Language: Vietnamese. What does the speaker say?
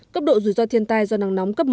cấp độ rủi ro thiên tai do nắng nóng cấp một